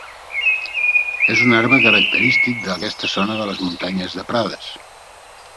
És un arbre característic d'aquesta zona de les muntanyes de Prades.